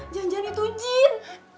jangan itu jin